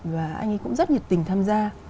và anh ấy cũng rất nhiệt tình tham gia